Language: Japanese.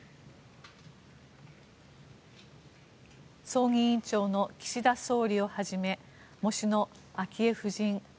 葬儀委員長の岸田総理をはじめ喪主の昭恵夫人